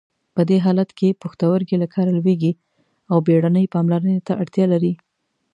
په دې حالت کې پښتورګي له کاره لویږي او بیړنۍ پاملرنې ته اړتیا لري.